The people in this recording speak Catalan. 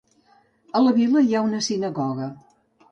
A la vila hi ha una sinagoga.